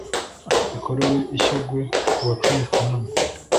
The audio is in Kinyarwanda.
bikorewe i shyogwe kuwa cumi kanama